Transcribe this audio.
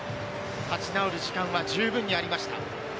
立ち直る時間は十分にありました。